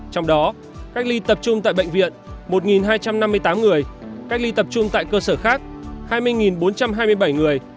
trong đó cách ly tập trung tại bệnh viện một hai trăm năm mươi tám người cách ly tập trung tại cơ sở khác hai mươi bốn trăm hai mươi bảy người